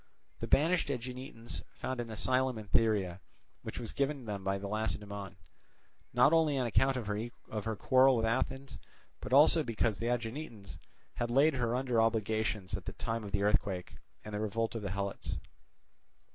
The banished Aeginetans found an asylum in Thyrea, which was given to them by Lacedaemon, not only on account of her quarrel with Athens, but also because the Aeginetans had laid her under obligations at the time of the earthquake and the revolt of the Helots.